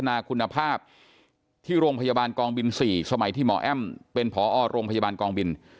นาคุณภาพที่โรงพยาบาลกองบิน๔สมัยที่หมอแอ้มเป็นผอโรงพยาบาลกองบิน